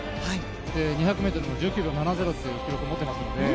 ２００ｍでも１９秒７０という記録を持ってますので。